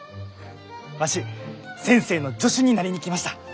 わし先生の助手になりに来ました。